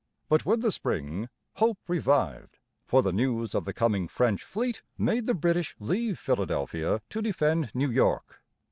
But with the spring, hope revived, for the news of the coming French fleet made the British leave Philadelphia to defend New York.